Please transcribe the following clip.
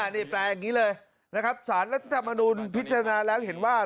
นี่แปลอย่างนี้เลยนะครับสารรัฐธรรมนุนพิจารณาแล้วเห็นว่า